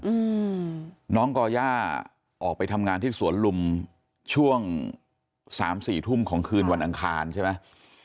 อืมน้องก่อย่าออกไปทำงานที่สวนลุมช่วงสามสี่ทุ่มของคืนวันอังคารใช่ไหม